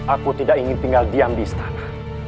aku tidak ingin tinggal diam di istana